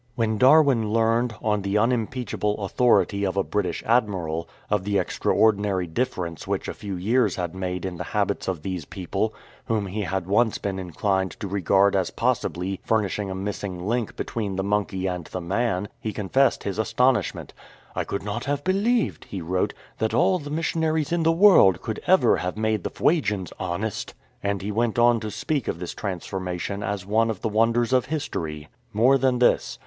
When Darwin learned, on the unimpeachable 242 CAPTAIN ALLEN GARDINER authority of a British admiral, of the extraordinary difference which a few years had made in the habits of these people, whom he had once been inclined to regard as possibly furnishing a missing link between the monkey and the man, he confessed his astonishment. "I could not have believed,"" he wrote, " that all the missionaries in the world could ever have made the Fuegians honest,'' and he went on to speak of this transformation as one of the wonders of history. More than this.